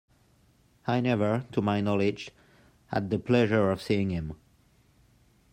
I never, to my knowledge, had the pleasure of seeing him.